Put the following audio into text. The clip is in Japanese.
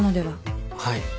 はい。